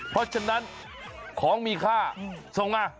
เพราะฉะนั้นของมีค่าส่งมา